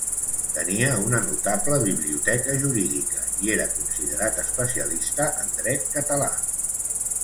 Tenia una notable biblioteca jurídica i era considerat especialista en dret català.